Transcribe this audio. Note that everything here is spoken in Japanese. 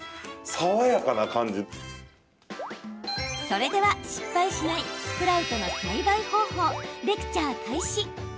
それでは、失敗しないスプラウトの栽培方法レクチャー開始。